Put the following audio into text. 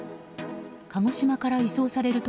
鹿児島から移送される